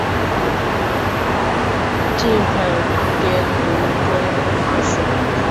襟粉蝶属是粉蝶科粉蝶亚科襟粉蝶族中的一个属。